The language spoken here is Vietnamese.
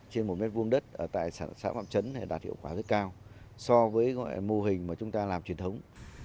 trên một mét vuông đất tại xã phạm trấn đạt hiệu quả rất cao so với mô hình mà chúng ta làm truyền thống